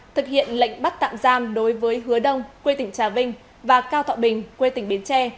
thực hiện lệnh bắt tạm giam đối với hứa đông quê tỉnh trà vinh và cao thọ bình quê tỉnh bến tre